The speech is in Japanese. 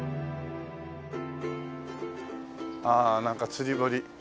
ああなんか釣り堀。